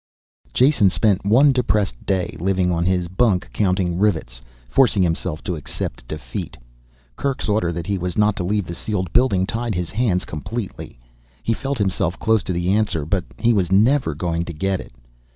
Jason spent one depressed day lying on his bunk counting rivets, forcing himself to accept defeat. Kerk's order that he was not to leave the sealed building tied his hands completely. He felt himself close to the answer but he was never going to get it.